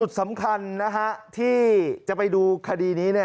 สุดสำคัญที่จะไปดูคดีนี้